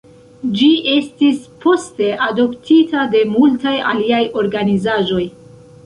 Ĝi estis poste adoptita de multaj aliaj organizaĵoj.